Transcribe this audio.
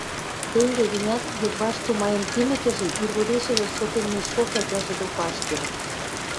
Тенге гӹнят, йыдвашт тумаен кимӹкӹжӹ, иргодешӹжӹ сотеммешкок ӓтяжӹ докы ашкедӹн.